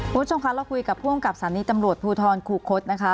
ผู้ชมค่ะเราคุยกับผู้องกรรมศาลนี้ตำรวจภูทธรณ์ครูโค้ดนะคะ